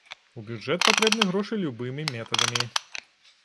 У бюджэт патрэбны грошы любымі метадамі.